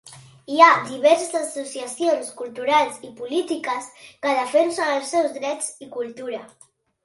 Hi ha diverses associacions culturals i polítiques que defensen els seus drets i cultura.